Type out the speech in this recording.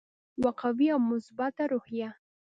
یوه قوي او مثبته روحیه.